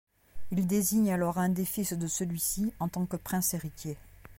Il désigne alors un des fils de celui-ci en tant que prince héritier.